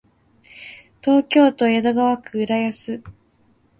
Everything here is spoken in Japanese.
東京都江戸川区浦安